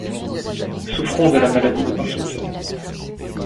Souffrant de la maladie de Parkinson.